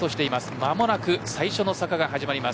間もなく最初の坂が始まります。